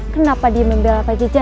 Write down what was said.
suami yang berkeluarga